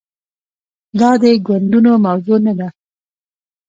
دا د ګوندونو موضوع نه ده.